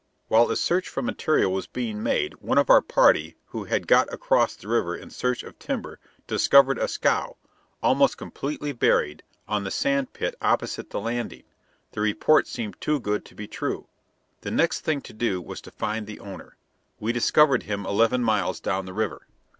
While a search for material was being made, one of our party, who had got across the river in search of timber, discovered a scow, almost completely buried, on the sandpit opposite the landing. The report seemed too good to be true. The next thing to do was to find the owner. We discovered him eleven miles down the river.